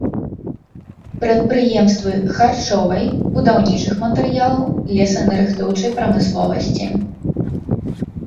Прадпрыемствы харчовай, будаўнічых матэрыялаў, лесанарыхтоўчай прамысловасці.